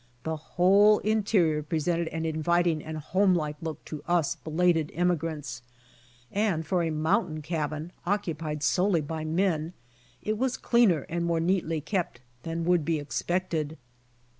They whole interior presented an inviting and homelike look to us belated emigrants, and for a mountain cabin occupied solely by men it was cleaner and more neatly kept than would be expected.